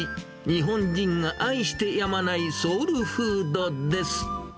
日本人が愛してやまないソウルフードです。